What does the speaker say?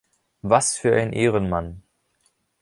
Was für ein Ehrenmann!